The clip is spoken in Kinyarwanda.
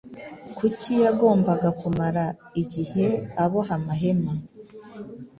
Kuki yagombaga kumara igihe aboha amahema